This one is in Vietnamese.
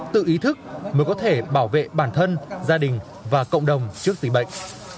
tự ý thức mới có thể bảo vệ bản thân gia đình và cộng đồng trước dịch bệnh